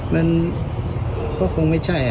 มันก็คงไม่ใช่